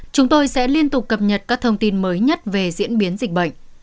chúng tôi sẽ liên tục cập nhật các thông tin mới nhất về diễn biến dịch bệnh